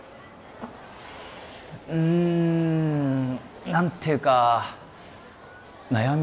うん何ていうか悩み